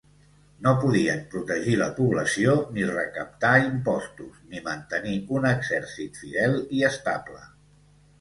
No podien protegir la població, ni recaptar imposts, ni mantenir un exercit fidel i estable.